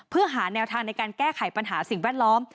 เพื่อหาแนวทางในการแก้ไขปัญหาสิ่งแวดล้อม